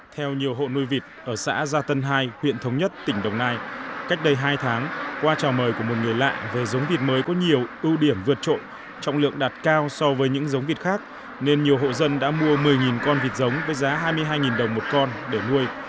theo nhiều hộ nuôi vịt ở xã gia tân hai huyện thống nhất tỉnh đồng nai cách đây hai tháng qua trò mời của một người lạ về giống vịt mới có nhiều ưu điểm vượt trội trọng lượng đạt cao so với những giống vịt khác nên nhiều hộ dân đã mua một mươi con vịt giống với giá hai mươi hai đồng một con để nuôi